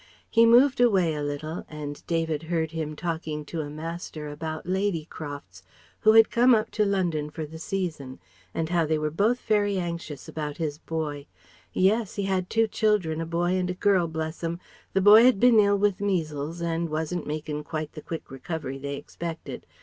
He moved away a little, and David heard him talking to a Master about Lady Crofts, who had come up to London for the season and how they were both very anxious about his boy "Yes, he had two children, a boy and a girl, bless 'em The boy had been ill with measles and wasn't makin' quite the quick recovery they expected.